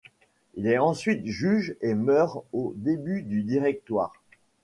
Il est ensuite juge et meurt au début du Directoire.